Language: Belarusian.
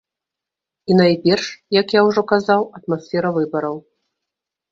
І найперш, як я ўжо казаў, атмасфера выбараў.